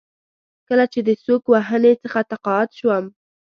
کله چې د سوک وهنې څخه تقاعد شوم.